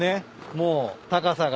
もう高さが。